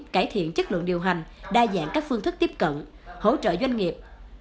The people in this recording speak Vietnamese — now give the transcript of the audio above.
cải thiện chất lượng điều hành đa dạng các phương thức tiếp cận hỗ trợ doanh nghiệp